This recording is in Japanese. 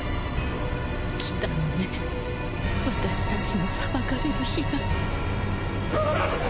来たのね私たちの裁かれる日が。